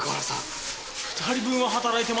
２人分は働いてますよね。